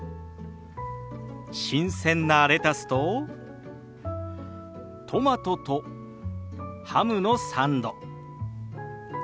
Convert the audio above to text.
新鮮なレタスとトマトとハムのサンド。